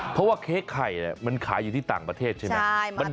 เพราะว่าเค้กไข่มันขายอยู่ที่ต่างประเทศใช่ไหม